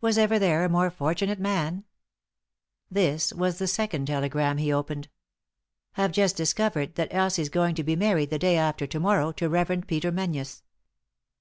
Was ever there a more fortunate man ? This was the second telegram he opened :— "Have just discovered that Elsie's going to be married the day after to morrow to Reverend Peter Menzies.